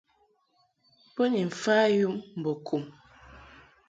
Bo ni mfa yum mbo kum.